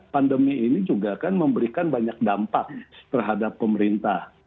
pandemi ini juga kan memberikan banyak dampak terhadap pemerintah